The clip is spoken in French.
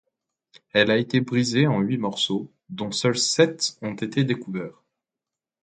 Elle a été brisée en huit morceaux, dont seuls sept ont été découverts.